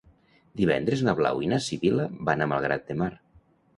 Divendres na Blau i na Sibil·la van a Malgrat de Mar.